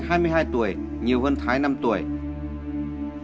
nhiều hai mươi hai tuổi nhiều hơn thái năm tuổi